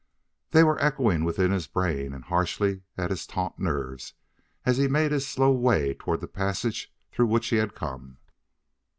They were echoing within his brain and harshly at his taut nerves as he made his slow way toward the passage through which he had come.